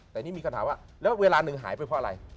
แต่นี่มีคำถามว่าแล้วเวลาหนึ่งหายไปเพราะอะไร